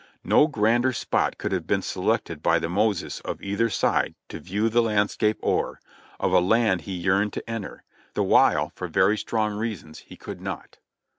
No grander spot could have been selected by the Moses of either side to ''view the landscape o'er," of a land he yearned to enter, the while for very strong reasons he could not.